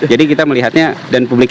jadi kita melihatnya dan publik